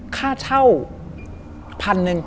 ค่าเช่า๑๐๐๐บาท